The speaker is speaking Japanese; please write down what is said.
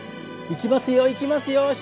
いきますよいきますよ